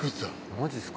マジっすか？